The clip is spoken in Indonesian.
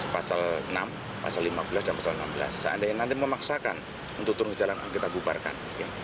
pasal enam pasal lima belas dan pasal enam belas seandainya nanti memaksakan untuk turun ke jalan kita bubarkan